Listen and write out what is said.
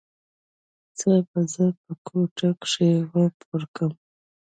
څه به زه په کوټه کښې پورکم.